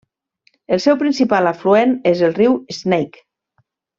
El seu principal afluent és el riu Snake.